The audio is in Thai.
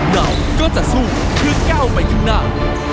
เราก็จะสู้เพื่อก้าวไปข้างหน้า